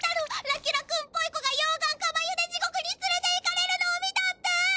ラキュラ君っぽい子が溶岩かまゆで地獄につれていかれるのを見たって！